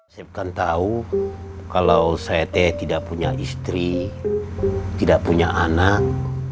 saya kan tahu kalau saya teh tidak punya istri tidak punya anak